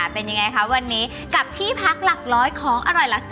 เป็นยังไงคะวันนี้กับที่พักหลักร้อยของอร่อยหลัก๑๐